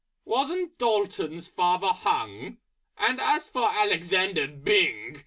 wasn't D'Alton's Father hung? And as for Alexander Byng! ...